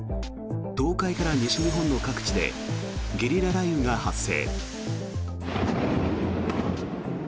東海から西日本の各地でゲリラ雷雨が発生。